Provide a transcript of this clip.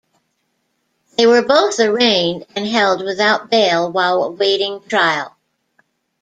They were both arraigned and held without bail while awaiting trial.